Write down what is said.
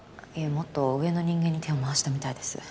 もっと上の人間に手を回したみたいです。